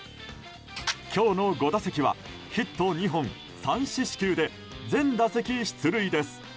今日の５打席はヒット２本３四球で全打席出塁です。